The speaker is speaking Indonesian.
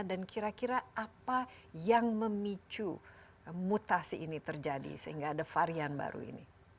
kira kira apa yang memicu mutasi ini terjadi sehingga ada varian baru ini